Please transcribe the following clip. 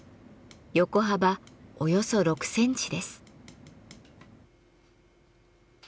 横幅およそ６センチです。